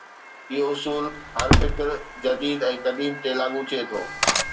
اهو اصول هر فڪر، جديد ۽ قديم تي لاڳو ٿئي ٿو.